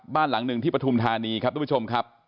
บ้านหลังหนึ่งที่ปฐุมธานีครับทุกผู้ชมครับ